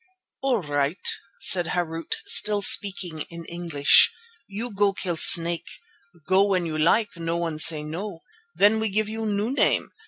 "All right," said Harût, still speaking in English, "you go kill snake. Go when you like, no one say no. Then we give you new name.